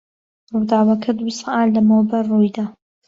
ڕووداوەکە دوو سەعات لەمەوبەر ڕووی دا.